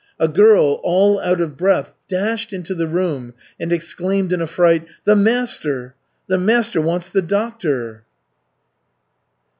A girl, all out of breath, dashed into the room and exclaimed in a fright: "The master! The master wants the doctor."